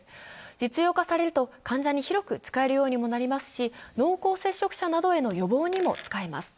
実用化されると患者に広く使えるようにもなりますし、濃厚接触者などへの予防にも使えます。